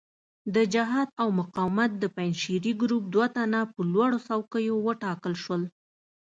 د جهاد او مقاومت د پنجشیري ګروپ دوه تنه په لوړو څوکیو وټاکل شول.